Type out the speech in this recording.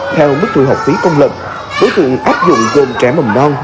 theo mức thu học phí công lập đối tượng áp dụng gồm trẻ mầm non